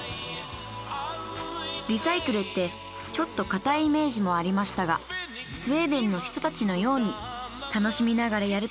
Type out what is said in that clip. リサイクルってちょっとかたいイメージもありましたがスウェーデンの人たちのように楽しみながらやるというのもいいですね